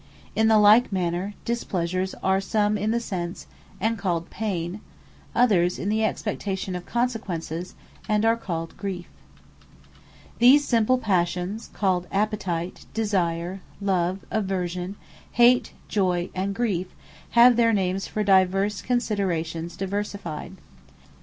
In the like manner, Displeasures, are some in the Sense, and called PAYNE; others, in the Expectation of consequences, and are called GRIEFE. These simple Passions called Appetite, Desire, Love, Aversion, Hate, Joy, and griefe, have their names for divers considerations diversified.